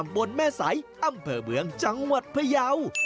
ตำบลแม่สายอำเภอเมืองจังหวัดพระเยาค์